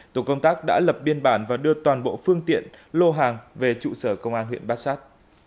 tổ công tác đã lập biên bản và đưa toàn bộ phương tiện lô hàng về trụ sở công an huyện bát sát